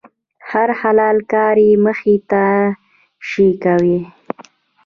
هر حلال کار چې مخې ته شي، کوي یې.